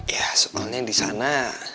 ya soalnya di sana